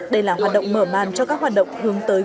đây là hoạt động mở màn cho các hoạt động hướng tới